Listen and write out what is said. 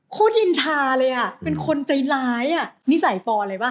โคตรยินชาเลยอ่ะเป็นคนใจร้ายอ่ะนิสัยฟนเลยว่า